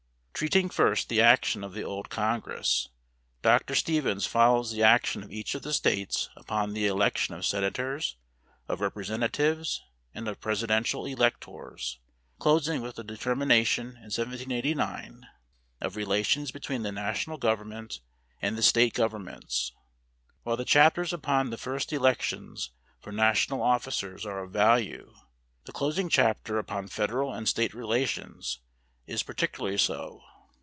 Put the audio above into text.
Treating first the action of the old Congress, Dr. Stephens follows the action of each of the States upon the election of senators, of representatives, and of presidential electors, closing with the determination in 1789 of relations between the national government and the State governments. While the chapters upon the first elections for national officers are of value, the closing chapter upon federal and State relations is particularly so.